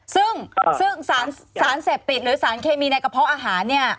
ซึ่งสารเสพติดหรือสารเคมีในกระเพาะอาหารเนี่ย